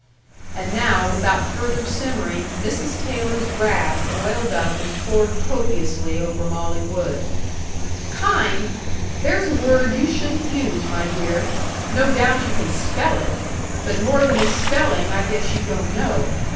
And now without further simmering, Mrs. Taylor's wrath boiled up and poured copiously over Molly Wood. "Kind! There's a word you shouldn't use, my dear. No doubt you can spell it. But more than its spelling I guess you don't know.